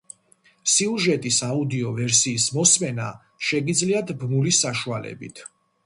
სიუჟეტის აუდიო ვერსიის მოსმენა შეგიძლიათ ბმულის საშუალებით.